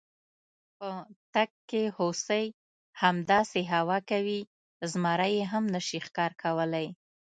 په تګ کې هوسۍ، همداسې هوا کوي، زمري یې هم نشي ښکار کولی.